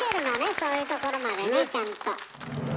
そういうところまでねちゃんと。